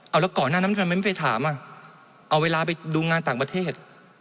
เอาแล้วก่อนหน้านั้นทำไมไม่ไปถามอ่ะเอาเวลาไปดูงานต่างประเทศ